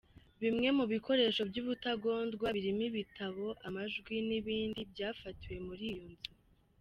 Bimwe mu bikoresho by’ubutagondwa birimo ibitabo, amajwi n’ibindi byafatiwe muri iyo nzu.